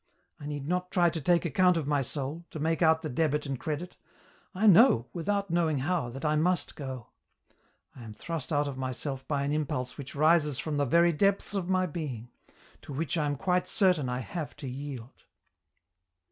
I need not try to take account of my soul, to make out the debit and credit ; I know, without knowing how, that I must go ; I am thrust out of myself by an impulse which rises from the very depths of my being, to which I am quite certain I have to yield."